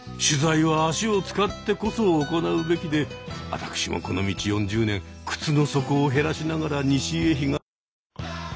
取材は足を使ってこそ行うべきで私もこの道４０年靴の底を減らしながら西へ東。